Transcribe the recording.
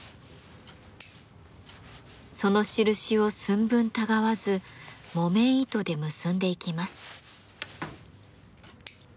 その印を寸分たがわず木綿糸で結んでいきます。